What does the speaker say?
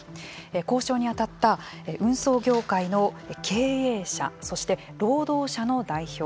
交渉に当たった運送業界の経営者そして労働者の代表